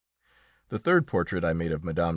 The third portrait I made of Mme.